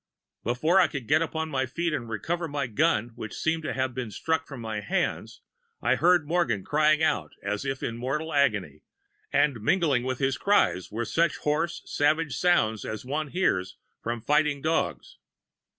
"Before I could get upon my feet and recover my gun, which seemed to have been struck from my hands, I heard Morgan crying out as if in mortal agony, and mingling with his cries were such hoarse savage sounds as one hears from fighting dogs.